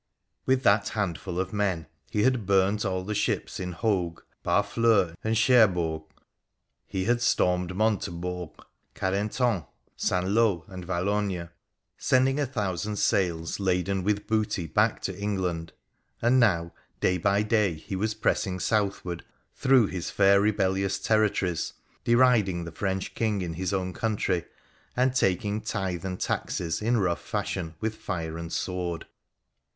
With that handful of men he had burnt all the ships in Hogue, Barfieur, and Cherbourg ; he had stormed Monte bourg, Carentan, St. Lo, and Valognes, sending a thousand sails laden with booty back to England, and now, day by day, he was pressing southward through his fair rebellious terri tories, deriding the French King in his own country, and taking tithe and taxes in rough fashion with fire and sword.